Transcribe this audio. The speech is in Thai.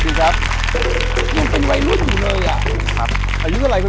นี่ยังเป็นวัยรุ่นอยู่เลยอะ